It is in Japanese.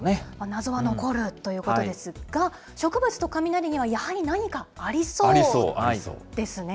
謎は残るということですが、植物と雷にはやはり何かありそうですね。